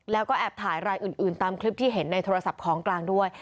แล้วก็แอบถ่ายรายอื่นตามคลิปที่เห็นในโทรศัพท์ของกลางด้วย